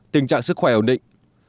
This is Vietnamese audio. tình trạng sức khỏe ổn định